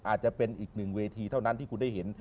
อาจจะเป็นอีกหนึ่งเวทีเท่านั้นที่คุณได้เห็น